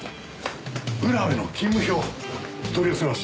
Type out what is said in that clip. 浦部の勤務表取り寄せました。